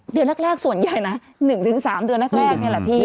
เดือนแรกส่วนใหญ่นะ๑๓เดือนแรกนี่แหละพี่